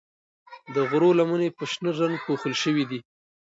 د غرو لمنې په شنه رنګ پوښل شوې دي.